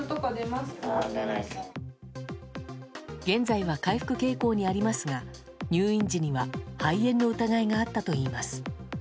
現在は回復傾向にありますが入院時には肺炎の疑いがあったといいます。